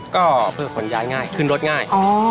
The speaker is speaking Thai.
ก็เพื่อขนย้ายง่ายขึ้นรถง่าย